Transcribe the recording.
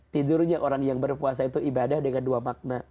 tidurnya orang yang berpuasa itu ibadah dengan dua makna